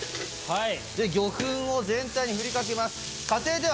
で魚粉を全体に振りかけます。